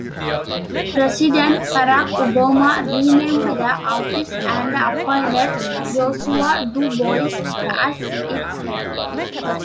President Barack Obama renamed the office and appointed Joshua DuBois as its head.